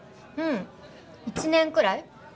うん１年くらい。